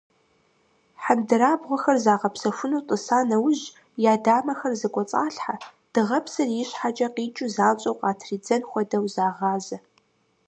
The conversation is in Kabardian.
Хьэндырабгъуэхэр загъэпсэхуну тӀыса нэужь, я дамэхэр зэкӀуэцӀалъхьэ дыгъэпсыр ищхьэкӀэ къикӀыу занщӀэу къатридзэн хуэдэу, загъазэ.